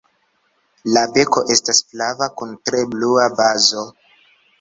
La beko estas flava kun tre blua bazo.